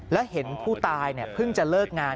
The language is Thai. แล้วเห็นผู้ตายเพิ่งจะเลิกงาน